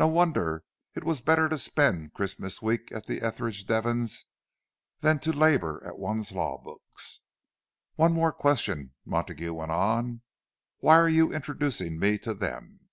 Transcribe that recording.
No wonder it was better to spend Christmas week at the Eldridge Devons than to labour at one's law books! "One more question," Montague went on. "Why are you introducing me to them?"